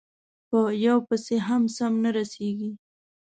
په یوه پسې هم سم نه رسېږي،